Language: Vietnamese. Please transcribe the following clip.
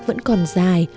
vẫn còn dài